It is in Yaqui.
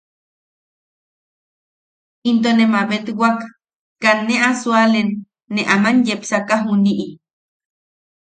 Into ne mabetwak katne a sualen ne aman yepsaka juniʼi.